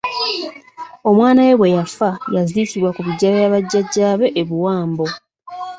Omwana we bwe yafa yaziikibwa ku biggya bya bajjajaabe e Buwambo.